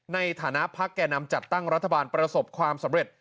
ในฐานะพักแก่นำจัดตั้งรัฐบาลประสบความสำเร็จ